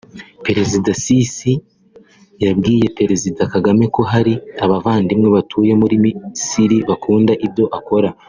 Perezida Sisi yabwiye Perezida Kagame ko hari abavandimwe batuye muri Misiri bakunda ibyo akora